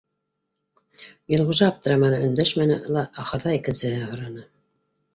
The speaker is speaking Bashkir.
Илғужа аптыраманы, өндәшмәне лә, ахырҙа икенсеһе һораны: